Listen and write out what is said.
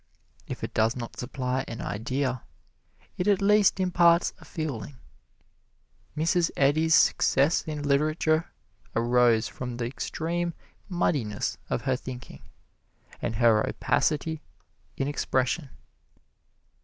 If it does not supply an idea, it at least imparts a feeling. Mrs. Eddy's success in literature arose from the extreme muddiness of her thinking and her opacity in expression.